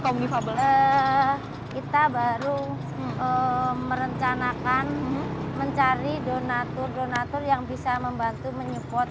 komdifabel kita baru merencanakan mencari donatur donatur yang bisa membantu menyupport